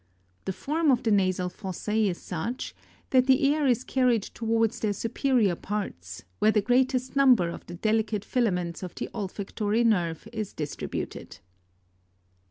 The form of the nasal fossa? is such, that the air is carried towards their superior parts, where the greatest number of the delicate filaments of the olfactory nerve is distributed.